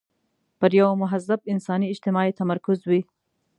پر یوه مهذب انساني اجتماع یې تمرکز وي.